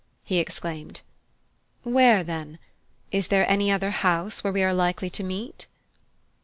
he exclaimed. "Where then? Is there any other house where we are likely to meet?"